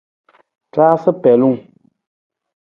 Raasa pelung.